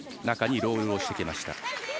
中にロールをしてきました。